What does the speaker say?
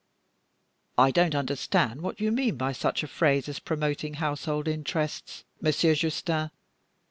"I don't understand what you mean by such a phrase as promoting household interests, Monsieur Justin.